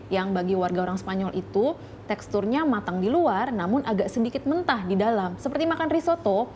yang bagi warga orang spanyol itu teksturnya matang di luar namun agak sedikit mentah di dalam seperti makan risoto